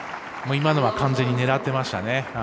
今のは完全に狙ってましたね。